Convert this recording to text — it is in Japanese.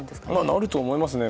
なると思いますね。